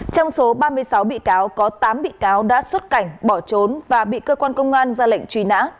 trong số ba mươi sáu bị cáo có tám bị cáo đã xuất cảnh bỏ trốn và bị cơ quan công an ra lệnh truy nã